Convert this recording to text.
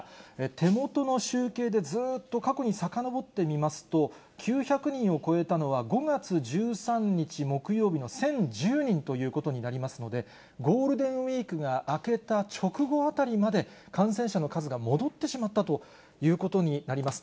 手元の集計でずーっと過去にさかのぼってみますと、９００人を超えたのは５月１３日木曜日の１０１０人ということになりますので、ゴールデンウィークが明けた直後あたりまで感染者の数が戻ってしまったということになります。